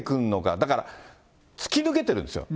だから、突き抜けてるんですよ。